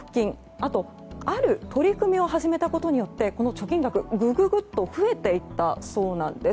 あと、ある取り組みを始めたことによってこの貯金額がぐぐっと増えていったそうです。